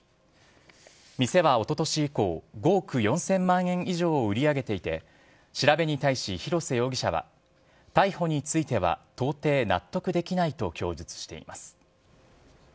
店はおととし以降、５億４０００万円以上を売り上げていて、調べに対し、広瀬容疑者は、逮捕については到底納得できないと供述しています。